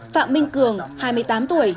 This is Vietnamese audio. phạm minh cường hai mươi tám tuổi